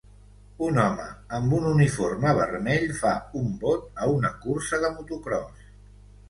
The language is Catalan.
Un home amb un uniforme vermell fa un bot a una cursa de motocròs.